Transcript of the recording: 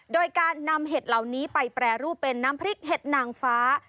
โดยการนำเห็ดเหล่านี้ไปแปรรูปเป็นน้ำพริกเห็ดนางฟ้า